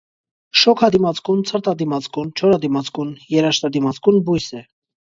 Շոգադիմացկուն, ցրտադիմացկուն, չորադիմացկուն, երաշտադիմացկուն բույս է։